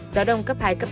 gió đông cấp hai cấp ba